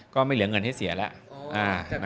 ไม่เหลือเงินให้เสียแล้ว